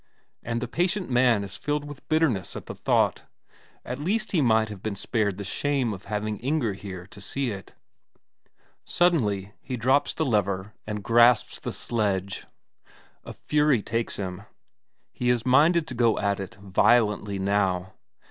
And the patient man is filled with bitterness at the thought at least he might have been spared the shame of having Inger here to see it! Suddenly he drops the lever and grasps the sledge. A fury takes him, he is minded to go at it violently now.